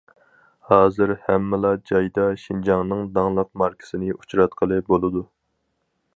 ھازىر ھەممىلا جايدا شىنجاڭنىڭ داڭلىق ماركىسىنى ئۇچراتقىلى بولىدۇ.